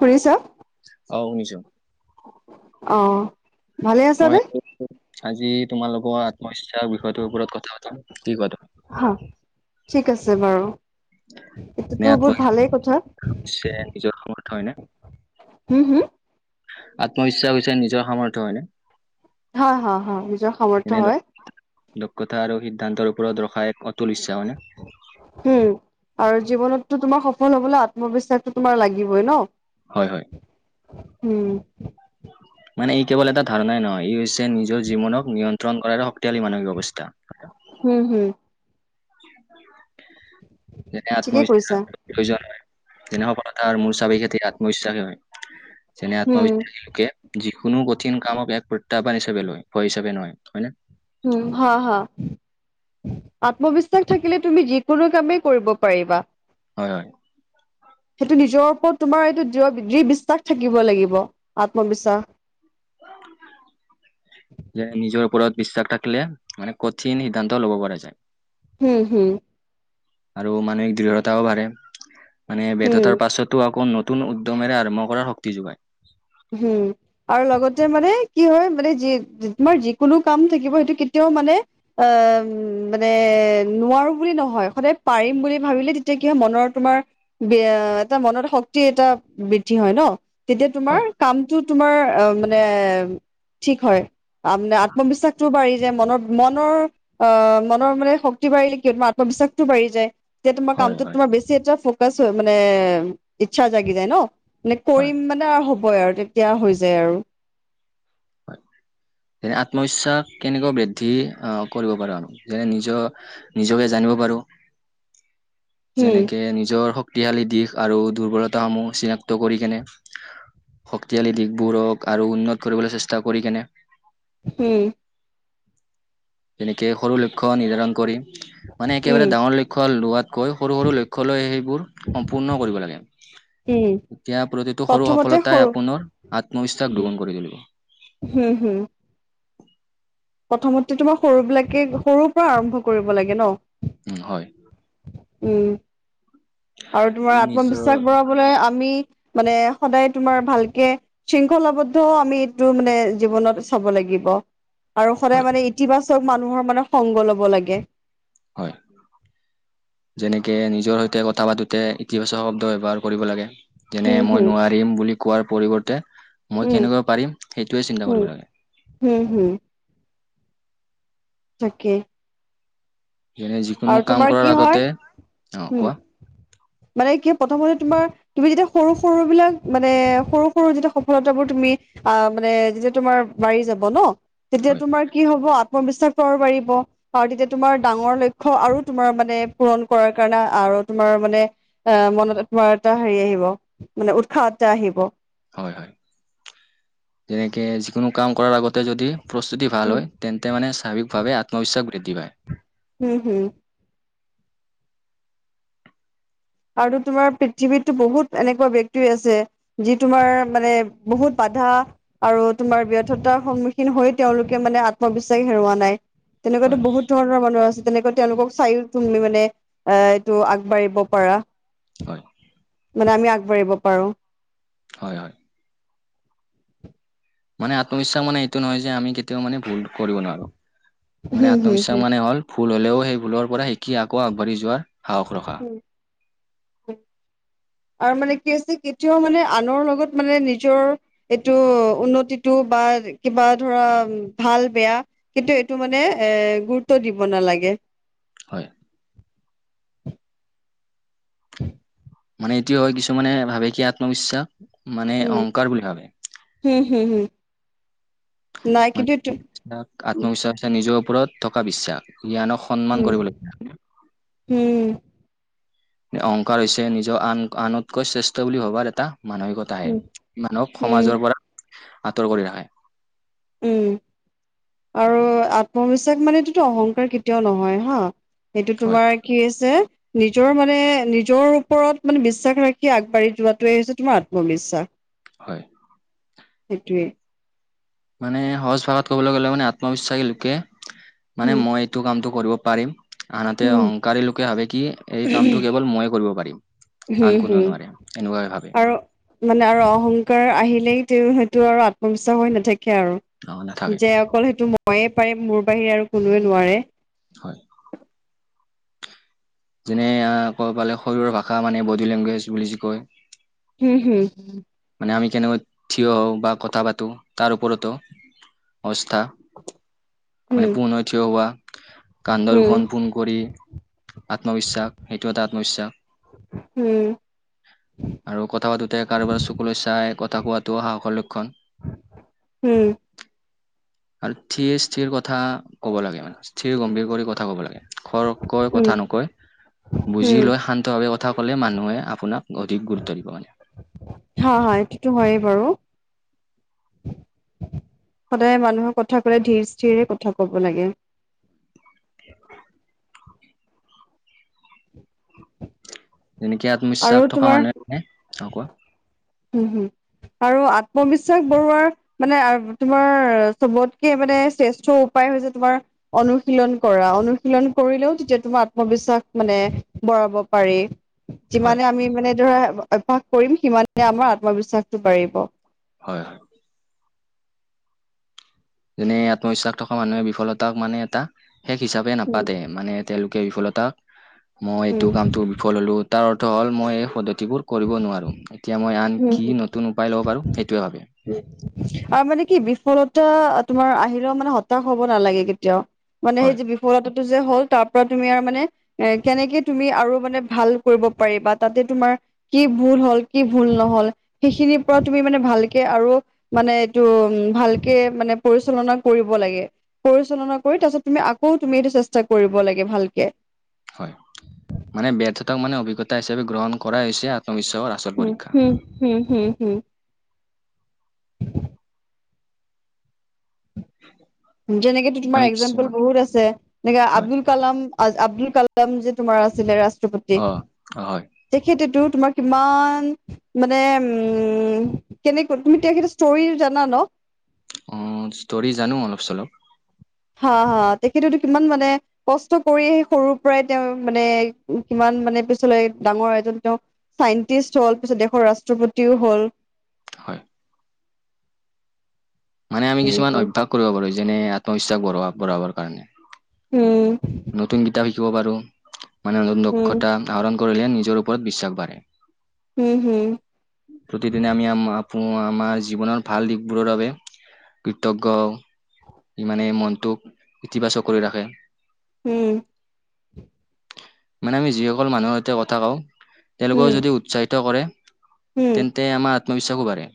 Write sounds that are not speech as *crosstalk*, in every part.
ফুৰিছ অ শুনিছোঁ অ ভালে আছা মই নে আজি তোমালোকৰ আত্মবিশ্বাস বিষয়টোৰ ওপৰত কথা পম ঠিক কথা হ ঠিক আছে বাৰু। এনে এইটোতো বহুত আত্মবিশ্বাস ভালেই কথা হৈছে নিজৰ সামৰ্থ হয়নে হম হুম আত্মবিশ্বাস হৈছে নিজৰ সামৰ্থ হয়নে হয় হয় হয় নিজৰ সামৰ্থ হয়। লোক কথা আৰু সি সিদ্ধান্তৰ ওপৰত ৰখা এক অতুল ইচ্ছা মানে। ম হ'বোলে আত্মবিশ্বাসটো তোমাৰ লাগিবই ন হয় হয় উম। মানে ই কেৱল এটা ধাৰণাই নহ ই হৈছে নিজৰ জীৱনক নিয়ন্ত্ৰণ কৰাৰ শ ইতয়ালি মানসিক অৱস্থা। উম হম। যেনে ঠিকেই কৈছা আত্মবিশ্বাসোৱা যেনে হতা মোৰ সব এই ক্ষ্ৰ আত্মবিশ্বাসে হয় যেনে হম আত্মবিশ্বাস লোকে। কোনো কঠিন কামক এক প্ৰত্যাহ্বান হিচাপে লয় ভয় হচাপে নহয় হয় ন। উম হা হ আত্মবিশ্বাস থাকিলে তুমি যিকোনো কামেই কৰিব পাৰিবা। হয় হয়। সেইটো নিজৰ ওপৰত তোমাৰ এইটো দৃ়বি্বাস থাকিব লাগিব আত্মবিশ্বাস। যে নিজৰ। ওপৰত বিশ্বাস থাকখিলে মানে কঠিন সিদ্ধান্ত ল'ব পৰা যায়। হুম হুম। আৰু মানসিক দৃঢ়তাও বাঢ়ে মানে হম ব্যৰ্থতাৰ পাছতো আকৌ নতুন। নতুন উদ্যমেৰে আৰম্ভ কৰাৰ শক্তি যোগায়। হুম আৰু লগতে মানে কি হয় মানে যি তোমাৰ যিকোনো কাম থাকিব সেইটো কেতিয়াও। ম মানে মানে নোৱাৰো বুলি নহয় সদায় পাৰিম বুলি ভাবিলে তেতিয়া। মনৰ তোমাৰ বি এটা মনত শক্তি এটা বৃদ্ধি হয় ন তেতিয়া তোমাৰ। হয় কামটো তোমাৰ অ মানে ঠিক হয় মানে আত্মবিশ্বাস টো বাঢ়ি। ম মনৰ অ মনৰ মানে শক্তি বাঢ়িলে কি তোমাৰ আত্মবিশ্বাসতটো বাঢ়ি যায়। তেতিয়া তোমাৰ হয় কামটোত হয় তোমাৰ বেছি এটা ফকাছ হৈ মানে ইচ্ছা জাগি যায় ন। মানে হয় কৰিম মানে আৰু হ'বই আৰু তেতিয়া হৈ যায় আৰু হয় *inaudible* যেনে আত্মবিশ্বাস কেনেকৈ বৃদ্ধি অহ কৰিব পাৰো আৰু যেনে নিজৰ নিজকে জানিব। জানিব পাৰো। *inaudible* যেনেকে উম নিজৰ শক্তিশালী দিশ আৰু দুৰ্বলতাসমূহ চিনাক্ত কৰিকিনে। শক্তিশালী দিশবোৰক আৰু উন্নত কৰিবলৈ চেষ্টা কৰি কেনে উম তেনেকে সৰু লক্ষ্য নিৰ্ধাৰণ কৰি। *unintelligible* মানে একেবাৰে ডাঙৰ লক্ষ্য লোৱাতকৈ সৰু সৰু লক্ষ্য লৈ সেইবোৰ সম্পূৰ্ণ কৰিব লাগে। উম এতিয়া প্ৰতিটো সৰু প্ৰথমতে সফলতাই সৰু আপোনাৰ আত্মবিশ্বাস দুগুণ কৰি তুলিব। হুম হুম। প্ৰথমতে তোমাৰ সৰু বিলাকে সৰুৰ পৰা আৰম্ভ কৰিব লাগে ন। উম হয়। উম আৰু তোমাৰ নিজৰ আত্মবিশ্বাস বৰাবলৈ। আমি মানে সদায় তোমাৰ ভালকে শৃংখলাবদ্ধ ও আমি এইটো মানে জীৱনত। চাব লাগিব আৰু সদায় হয় মানে ইতিবাচক মানুহৰ মানে সংগ ল'ব লাগে। হয়। যেনেকে নিজৰ সৈতে কথা পাতোতে ইতিবাচক শব্দ ব্যৱহাৰ কৰিব লাগে। যেনে হম মই হম নোৱাৰিম বুলি কোৱাৰ পৰিৱৰ্তে - মই উম কেনকা পাৰিম সেইটোৱে চিন্তা কৰিব লাগে। উম হুম। তাকে। যেনে যিকোনো আৰু কাম তোমাৰ কৰাৰ কি হয় আগতে অ উম কোৱা মানে কি প্ৰথমতে তোমাৰ তুমি যেতিয়া সৰু সৰু বিলাক মানে সৰু সৰু যেতিয়া সফলতাবোৰ তুমি আ মানে যেতিয়া তোমাৰ বাৰী যাব ন তেতিয়া হয় তোমাৰ কি হব আত্মবিশ্বাসটো আৰু বাৰিব আৰু তেতিয়া তোমাৰ ডাঙৰ লক্ষ্য আৰু তোমাৰ মানে পূৰণ কৰাৰ কাৰণে আৰু তোমাৰ মানে অ মনত তোমাৰ এটা হেৰি আহিব মানে উৎসাহ এটা আহিব হয় হয় যেনেকে যিকোনো কাম কৰাৰ আগত যদি প্ৰস্তুতি উম ভাল হয় তেন্তে মানে স্বাভাৱিকভাৱে আত্মবিশ্বাস বৃদ্ধি পায় হম হম আৰু তোমাৰ পৃথিৱীততো বহুত এনেকুৱা ব্যক্তি আছে যি তোমাৰ মানে বহুত বাধা আৰু তোমাৰ ব্যৰ্থতাৰ সন্মুখীন হৈ তেওঁলোকে মানে আত্মবিশ্বাস হেৰুওৱা নাই হয় তেনেকুৱাতো বহুত ধৰণৰ মানুহ আছে তেনেকুৱা তেওঁলোকক চাইও তুমি মানে এ এইটো আগবাঢ়িব পাৰা হয় মানে আমি আগবাঢ়িব পাৰো হয় হয় *inaudible* মানে আত্মবিশ্বাস মানে এইটো নহয় যে আমি কেতিয়াও মানে ভুল কৰিব নোৱাৰো মানে হম আত্মবিশ্বাস হম মানে হ'ল ভুল হ'লেও সেই ভুলৰ পৰা শিকি আকৌ আগবাঢ়ি যোৱাৰ হাহখ ৰখা *unintelligible* উম আৰু মানে কি হৈছে কেতিয়াও মানে আনৰ লগত মানে নিজৰ এইটো উন্নতিটো বা কিবা ধৰা ভাল বেয়া কিন্তু এইটো মানে এ গুৰুত্ব দিব নালাগে এ হয় মানে এইটোও হয় কিছুমানানে ভাবে কি আত্মবিশ্বাস মানে উম অহংকাৰ বুলি ভাবে হম হম হুম মানে আত্মবিশ্বাসে নিজৰ ওপৰত থকা বিশ্বাস জ্ঞানক সন্মান উম কৰিব লাগিব উম অহংকাৰ হৈছে নিজৰ আন আনতকৈ শ্ৰেষ্ঠ বুলি ভবাৰ এটা মানসিকতা আহে উম মানুহক উম সমাজৰ পৰা আঁতৰ কৰি ৰাখে উম আৰু আত্মবিশ্বাস মানেটোতো অহংকাৰ কেতিয়াও নহয় হা সেইটো হয় তোমাৰ কি আ হৈছে নিজৰ মানে নিজৰ ওপৰত মানে বিশ্বাস ৰাখি আগবাঢ়ি যোৱাটোৱে হৈছে তোমাৰ আত্মবিশ্বাস হয় সেইটোৱে মানে সহজ ভাষাত কবলৈ গ'লে মানে আত্মবিশ্বাসী লোকে মানে উম মই এইটো কামটো কৰিব পাৰিম আনহাতে উম অহংকাৰী লোকে ভাবে কি এই কামটো হম কেৱল মই কৰিব পাৰিম আন হম কোনেও হুম নোৱাৰে এনেকুৱাই ভাবে আৰু মানে আৰু অহংকাৰ আহিলেই তেওঁ সেইটো আৰু আত্মবিশ্বাস হৈ নাথাকে অ আৰু নাথাকে যে অকল সেইটো মইে পাৰি মোৰ বাহিৰে আৰু কোনোৱে নোৱাৰে হয় যেনে কব পালে শৰীৰৰ ভাষা মানে বডি লেংগুৱেজ বুলি কয় হম হুম হুম মানে আমি কেনেকৈ থিয় হওঁ বা কথা পাতো তাৰ ওপৰতো অৱস্থা মানে পুণ থিয় হোৱা কাণ্ড হম হম দুখন পোন কৰি আত্মবিশ্বাস সেইটো এটা আত্মবিশ্বাস *unintelligible* উম আৰু কথা পাতোতে কাৰোবাৰ চু সকললৈ চাই কথা কোৱাাতটো সাহস লক্ষণ হম আৰু সিৰে স্থিৰ কথা ক'ব লাগে মানে স্থিৰ গম্ভীৰ কৰি কথা ক'ব লাগে খৰ কয় উম কথা নকয় বুজি উম, লৈ শান্তভাৱে কথা কলে মানুহে আপোনাক অধিক গুৰুত্ব দিব মানে হা হয় এইটোতো হয়ে বাৰু সদায়ে মানুহক কথা কলে ধিৰ স্থিৰে কথা কব লাগে যেনেকে আৰু আত্মবিশ্বাস থকা মানুহে আকৌ উম হম আৰু আত্মবিশ্বাস বঢ়োৱাৰ মানে তোমাৰ চবতকে মানে শ্ৰেষ্ঠ উপায় হৈছে তোমাৰ অনুশীলন কৰা অনুশীলন কৰিলেও তেতিয়া তোমাৰ আত্মবিশ্বাস মানে ব পাব পাৰি হয় যিমানে আমি মানে ধৰা অভ্যাস কৰিম সিমানে আমাৰ আত্মবিশ্বাসটো বাঢ়িব হয় হয় যেনে আত্মবিশ্বাস থকা মানুহে বিফলতাক মানে এটা শেষ হিচাপে উম, নাপাতে মানে তেওঁলোকে বিফলতা মই এইটো উম, কামটো বিফল হ'লো তাৰ অৰ্থ হ'ল মই এই পদ্ধতিবোৰ কৰিব নোৱাৰোঁ এতিয়া মই আন উম। কি নতুন উপায় ল'ব পাৰো সেইটোৱে ভাবিম আৰু মানে কি বিফলতা তোমাৰ আহিলেও মানে হতাশ হব নালাগে কেতিয়াও মানে সেই হয় যে বিফলতাটো যে হ'ল তাৰ পৰা তুমি আৰু মানে এ কেনেকে তুমি আৰু মানে ভাল কৰিব পাৰি বা তাতে তোমাৰ কি ভুল হ'ল কি ভুল নহল সেইখিনিৰ পৰা তুমি মানে ভালকে আৰু মানে এইটো উ ভালকে মানে পৰিচালনা কৰিব লাগে পৰিচালনা কৰি তাৰপিছত তুমি আকৌ তুমি এইটো চেষ্টা কৰিব লাগে ভালকে হয় মানে বেথ এটাক মানে অভিজ্ঞতা হিচাপে গ্ৰহণ কৰা হৈছে সম শৰ আচল হুম, পৰীক্ষা হুম, হুম, হুম, হুম। উ যেনেকে তোমাৰ একজাম্পল বহুত আছে এনেকে হয় আব্দুল কালাম আব্দুল কালাম যে তোমাৰ আছিলে ৰাষ্ট্ৰপতি অ অ হয় তেখেতেতো তোমাৰ কিমান মানে উ কেনেকৈ তুমি তেখেতৰ ষ্টৰি জানা ন অ ষ্টৰি জানো অলপ চলপ হা হা তেখেতেতো কিমান মানে কষ্ট কৰি আহি সৰুৰ পৰাই তেওঁ মানে কিমান কিমানে পিছলৈ ডাঙৰ এজন তেওঁ চাইণ্টিষ্ট হল পিছত দেশৰ ৰাষ্ট্ৰপতিও হ'ল হয় মানে আমি কিছুমান তেনেকুৱা অভ্যাস কৰিব পাৰো যেনে আত্মবিশ্বাস বঢ়োৱা বঢ়াবৰ কাৰণে উম নতুন কিতাপ শিকিব পাৰো মানে নতুন উম দক্ষতা আহৰণ কৰিলে নিজৰ ওপৰত বিশ্বাস বাঢ়ে উম হম প্ৰতিদিনে আমি আমাৰ ও আমাৰ জীৱনৰ ভাল দিশবোৰৰ বাবে কৃতজ্ঞ ই মানে মনটোক ইতিবাচক কৰি ৰাখে উম মানে আমি যিসকল মানুহৰ সৈতে কথা কও তেওঁলোকেও হম যদি উৎসাহিত কৰে হম তেন্তে আমাৰ আত্মবিশ্বাসো বাঢ়ে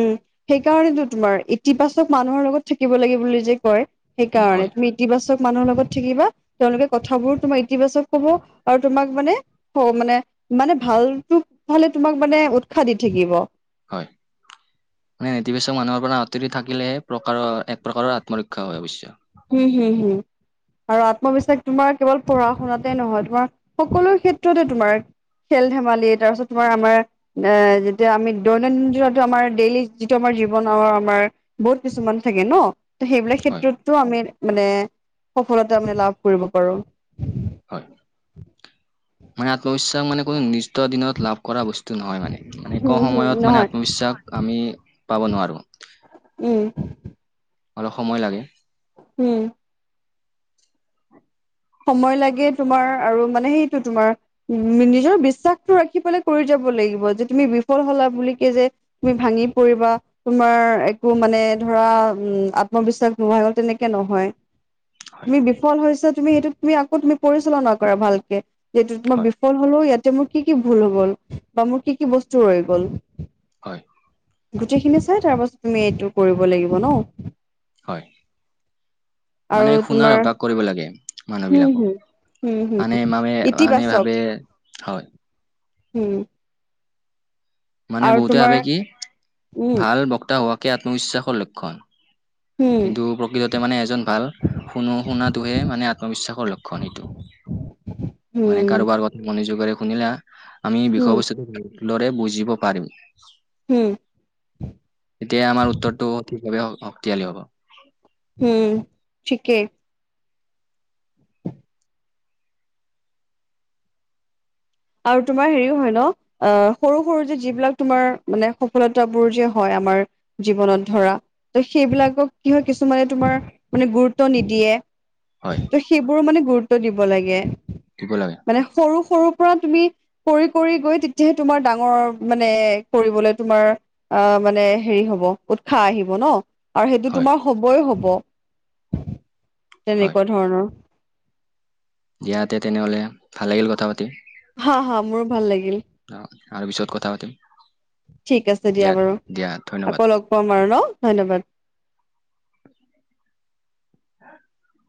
উম সেইকাৰণেতো তোমাৰ ইতিবাচক মানুহৰ লগত থাকিব লাগে বুলি যে কয় উম সেইকাৰণে হয় তুমি ইতিবাচক মানুহৰ লগত থাকিবা তেওঁলোকে কথাবোৰ তোমাৰ ইতিবাচক কব আৰু তোমাক মানে মানে মানে ভালতো ফালে তোমাক মানে উৎসাহ দি থাকিব হয় মানে নেতিবাচক মানুহৰ পৰা আঁতৰি থাকিলেহে প্ৰকাৰৰ এক প্ৰকাৰৰ আত্মৰক্ষা হয় অৱশ্যে হুম হুম হুম আৰু আত্মবিশ্বাস তোমাৰ কেৱল পঢ়া শুনাতে নহয় তোমাৰ সকলো ক্ষেত্ৰতে তোমাৰ খেল ধেমালি তাৰপিছত তোমাৰ আমাৰ এ যেতিয়া আমি দৈনন্দিন জীৱনতো আমাৰ ডেইলি যিটো আমাৰ জীৱনৰ আমাৰ বহুত কিছুমান থাকে ন ত সেইবিলাক হয় ক্ষেত্ৰতটো আমি মানে সফলতা মানে লাভ কৰিব পাৰো। হয় মানে আত্মবিশ্বাস মানে কোনো নিৰ্দিষ্ট দিনত লাভ কৰা বস্তু নহয় মানে মানে এক উম, সময়ত হুম, মানে নহয় আত্মবিশ্বাস আমি পাব নোৱাৰো। উম অলপ সময় লাগে। উম সময় লাগে তোমাৰ আৰু মানে সেইটো তোমাৰ উ নিজৰ বিশ্বাসটো ৰাখি পেলাই কৰি যাব লাগিব যে তুমি বিফল হলা বুলি কে যে তুমি ভাঙি পৰিবা তোমাৰ একো মানে ধৰা উম আত্মবিশ্বাস নোহাৱাই হৈ গ'ল তেনেকে নহয় হয় তুমি বিফল হৈছা তুমি সেইটো তুমি আকৌ তুমি পৰিচালনা কৰা ভালকে যিটোত মই হয় বিফল হলেও ইয়াতে মোৰ কি কি ভুল হৈ গল বা মোৰ কি কি বস্তু ৰৈ গ'ল হয় গোটেইখিনি চাই তাৰ পাছত তুমি এইটো কৰিব লাগিব ন হয় আৰু মানে শুনাৰ তোমাৰ অভ্যাস কৰিব লাগে মানে হম হম বিলাকক হম হম মানে মানে মানুহে ভাবে হয় উম মানে বহুতে ভাবে কি? উম ভাল বক্তা হোৱাকে আত্মবিশ্বাসৰ লক্ষণ। হম কিন্তু প্ৰকৃততে মানে এজন। ভাল শুনো শুনাটোহে মানে আত্মবিশ্বাসৰ লক্ষণ এইটো। মানে উম, কাৰোবাৰ কথা মনোযোগেৰেও শুনিলা আমি হুম, বিষয় বস্তুটো লৰে বুজিব পাৰিম। হম তেতিয়া আমাৰ উত্তৰটো সঠিকভাৱে শক্তিশালী হ'ব। হম থিকেই। আৰু তোমাৰ হেৰি হয় ন? অ সৰু সৰু যে যিবিলাক তোমাৰ মানে সফলতাবোৰ যে হয় আমাৰ জীৱনত ধৰা ত সেইবিলাকক কিয় কিছুমানে তোমাৰ মানে গুৰুত্ব নিদিয়ে। হয় ত সেইবোৰো মানে গুৰুত্ব দিব লাগে। দিব লাগে মানে সৰু সৰু পৰা তুমি কৰি কৰি গৈ তেতিয়াহে তোমাৰ ডাঙৰ মানে কৰিবলে তোমাৰ আ মানে হেৰি হব উৎসাহ আহিব ন আৰু সেইটো হয় তোমাৰ হবই হব। হয় তেনেকুৱা ধৰণৰ। দিয়া তে তেনেহলে ভাল লাগিল কথা পাতি। হ হ মোৰো ভাল লাগিল। অহ আৰু পিছত কথা পাতিম। ঠিক আছে দিয়া বাৰু দিয়া ধন্যবাদ আকৌ লগ পাম আৰু ন। ধন্যবাদ। *unintelligible*